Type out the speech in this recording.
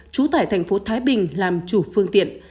trú tại tp thái bình làm chủ phương tiện